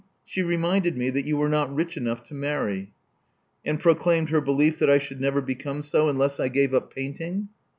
She reminded me that you were not rich enough to marry." "And proclaimed her belief that I should never become so unless I gave up painting?"